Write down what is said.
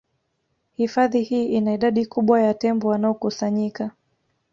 Hifadhi hii ina idadi kubwa ya tembo wanaokusanyika